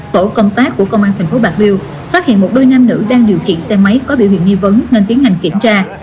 tổ công tác của công an tp bạc liêu phát hiện một đôi nam nữ đang điều khiển xe máy có biểu hiện nghi vấn nên tiến hành kiểm tra